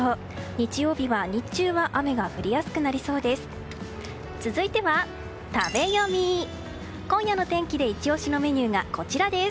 日曜日は日中は雨が降りやすくなりそうです。